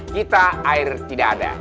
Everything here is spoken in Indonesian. kita air tidak ada